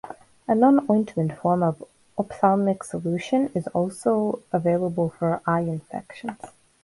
A non-ointment form of ophthalmic solution is also available for eye infections.